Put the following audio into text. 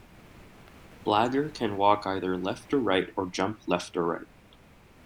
Blagger can walk either left or right, or jump left or right.